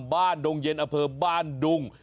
บ้านดงเย็นอเภิมบ้านดุง